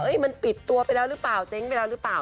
มันปิดตัวไปแล้วหรือเปล่าเจ๊งไปแล้วหรือเปล่า